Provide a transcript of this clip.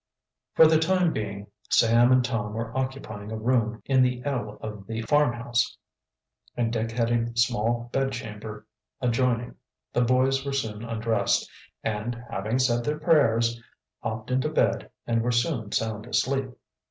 For the time being Sam and Tom were occupying a room in the L of the farmhouse, and Dick had a small bedchamber adjoining. The boys were soon undressed, and, having said their prayers, hopped into bed, and were soon sound asleep.